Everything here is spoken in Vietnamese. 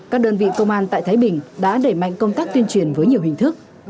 các đơn vị công an tại thái bình đã đẩy mạnh công tác tuyên truyền với nhiều hình thức